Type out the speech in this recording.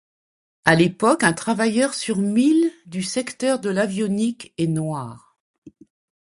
À l'époque, un travailleur sur mille du secteur de l'avionique est noir.